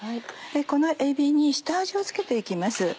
このえびに下味を付けて行きます。